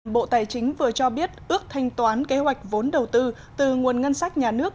bộ tài chính vừa cho biết ước thanh toán kế hoạch vốn đầu tư từ nguồn ngân sách nhà nước